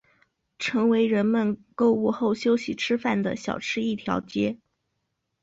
成为人们购物后休息吃饭的小吃一条街。